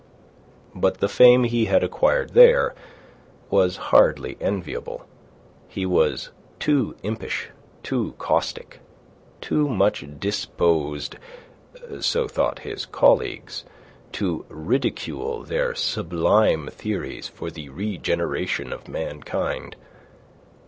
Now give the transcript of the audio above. But the fame he had acquired there was hardly enviable. He was too impish, too caustic, too much disposed so thought his colleagues to ridicule their sublime theories for the regeneration of mankind.